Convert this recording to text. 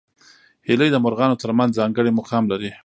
هیلۍ د مرغانو تر منځ ځانګړی مقام لري